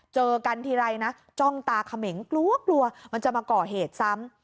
เจอกันทีไรนะจ้องตาเขมงกลัวกลัวมันจะมาก่อเหตุซ้ำ